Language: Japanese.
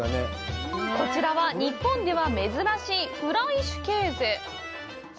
こちらは日本では珍しいフライシュケーゼ。